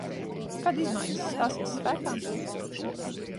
Kad izmaiņas stāsies spēkā?